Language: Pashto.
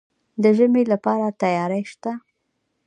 د ژمي لپاره تیاری شته؟